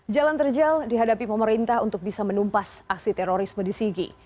jalan terjal dihadapi pemerintah untuk bisa menumpas aksi terorisme di sigi